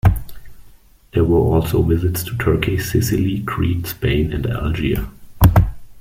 There were also visits to Turkey, Sicily, Crete, Spain and Algiers.